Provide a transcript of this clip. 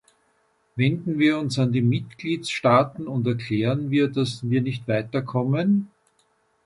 Wenden wir uns an die Mitgliedstaaten und erklären, dass wir nicht weiterkommen?